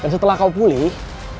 dan setelah kau pulih